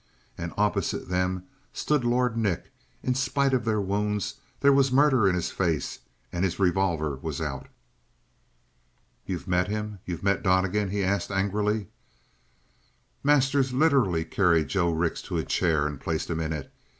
And opposite them stood Lord Nick; in spite of their wounds there was murder in his face and his revolver was out. "You've met him? You've met Donnegan?" he asked angrily. Masters literally carried Joe Rix to a chair and placed him in it.